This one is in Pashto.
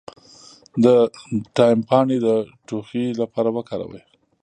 د تایم پاڼې د ټوخي لپاره وکاروئ